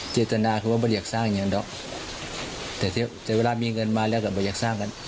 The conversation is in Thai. เจตนาคือว่าไม่อยากสร้างอย่างเดียวแต่เวลามีเงินมาแล้วก็ไม่อยากสร้างกัน